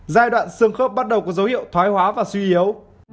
giai đoạn xương khớp bắt đầu có dấu hiệu thoái hóa và suy yếu